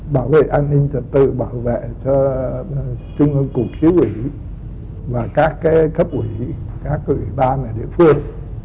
bảo vệ an ninh trật tự bảo vệ cho trung ương cục chứ quỷ và các cấp quỷ các quỷ ban ở địa phương